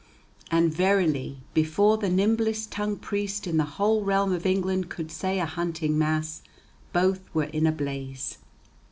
And verily before the nimblest tongued priest in the whole realm of England could say a hunting mass, both were in a blaze."